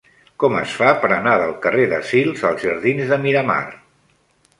Com es fa per anar del carrer de Sils als jardins de Miramar?